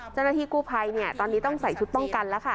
เจ้าหน้าที่กู้ภัยตอนนี้ต้องใส่ชุดป้องกันแล้วค่ะ